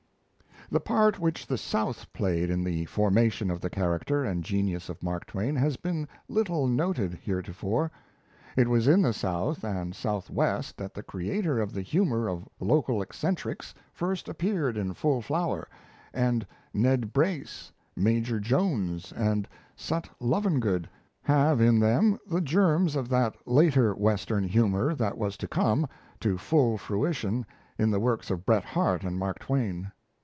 The part which the South played in the formation of the character and genius of Mark Twain has been little noted heretofore. It was in the South and Southwest that the creator of the humour of local eccentrics first appeared in full flower; and "Ned Brace," "Major Jones," and "Sut Lovengood" have in them the germs of that later Western humour that was to come to full fruition in the works of Bret Harte and Mark Twain.